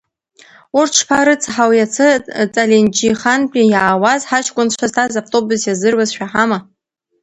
Урҭ шԥарыцҳау, иацы Ҵаленџьихантәи иаауаз хаҷкәынцәа зҭаз автобус иазыруз шәаҳама?